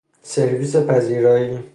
سرویس پذیرایی